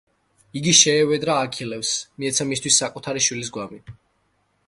იგი შეევედრა აქილევსს, მიეცა მისთვის საკუთარი შვილის გვამი.